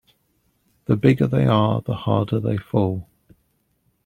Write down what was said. The bigger they are the harder they fall.